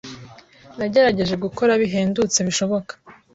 Nagerageje gukora bihendutse bishoboka.